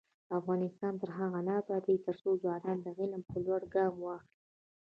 افغانستان تر هغو نه ابادیږي، ترڅو ځوانان د علم په لور ګام واخلي.